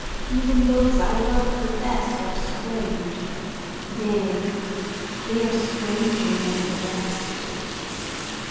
Even those I loved the best Are strange—nay, they are stranger than the rest.